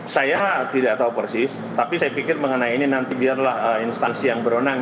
saya tidak tahu persis tapi saya pikir mengenai ini nanti biarlah instansi yang berwenang